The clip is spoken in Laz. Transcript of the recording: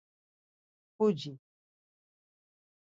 Puci!